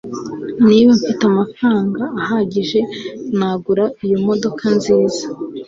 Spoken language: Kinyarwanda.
Niba mfite amafaranga ahagije nagura iyo modoka nziza